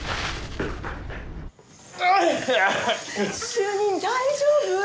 主任大丈夫？